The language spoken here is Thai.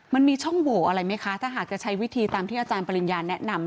มันมีช่องโหวอะไรไหมคะถ้าหากจะใช้วิธีตามที่อาจารย์ปริญญาแนะนำ